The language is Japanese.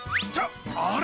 あれ？